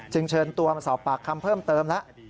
เชิญตัวมาสอบปากคำเพิ่มเติมแล้ว